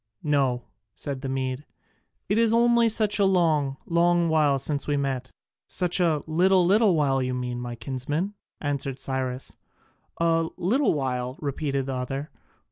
"No," said the Mede, "it is only such a long, long while since we met." "Such a little, little while you mean, my kinsman," answered Cyrus. "A little while!" repeated the other.